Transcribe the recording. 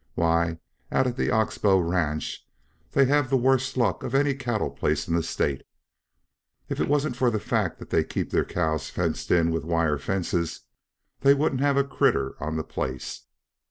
Why, out at the Ox Bow ranch, they have the worst luck of any cattle place in the state. If it wasn't for the fact that they keep their cows fenced in with wire fences, they wouldn't have a critter on the place."